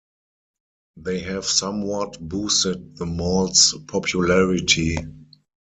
They have somewhat boosted the malls popularity.